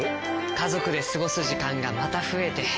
家族で過ごす時間がまた増えて。